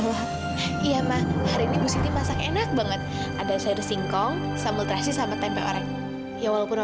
sampai jumpa di video selanjutnya